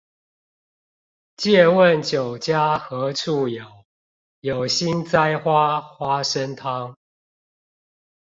借問酒家何處有，有心栽花花生湯